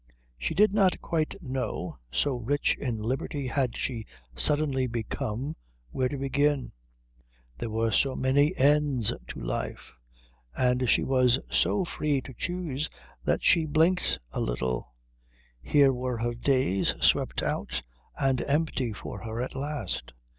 She did not quite know, so rich in liberty had she suddenly become, where to begin. There were so many ends to life, and she was so free to choose that she blinked a little. Here were her days, swept out and empty for her at last.